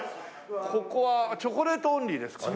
ここはチョコレートオンリーですか？